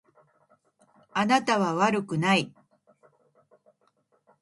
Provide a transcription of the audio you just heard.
あなたは悪くない。